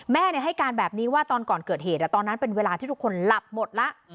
ให้การแบบนี้ว่าตอนก่อนเกิดเหตุตอนนั้นเป็นเวลาที่ทุกคนหลับหมดแล้ว